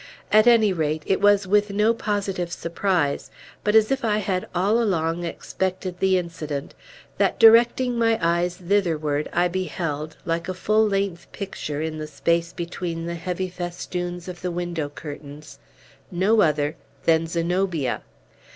At any rate, it was with no positive surprise, but as if I had all along expected the incident, that, directing my eyes thitherward, I beheld like a full length picture, in the space between the heavy festoons of the window curtains no other than Zenobia!